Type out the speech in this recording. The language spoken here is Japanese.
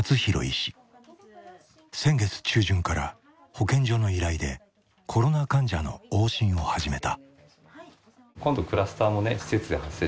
先月中旬から保健所の依頼でコロナ患者の往診を始めた。